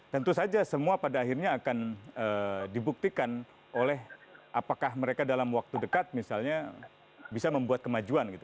tentu saja semua pada akhirnya akan dibuktikan oleh apakah mereka dalam waktu dekat misalnya bisa membuat kemajuan gitu